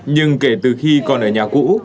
nhưng kể từ khi còn ở nhà cũ